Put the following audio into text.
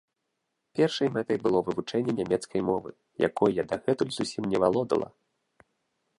Першай мэтай было вывучэнне нямецкай мовы, якой я дагэтуль зусім не валодала.